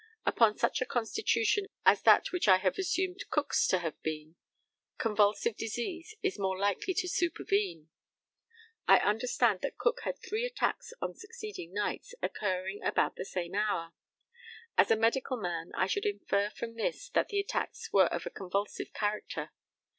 Upon such a constitution as that which I have assumed Cook's to have been convulsive disease is more likely to supervene. I understand that Cook had three attacks on succeeding nights, occurring about the same hour. As a medical man, I should infer from this that the attacks were of a convulsive character.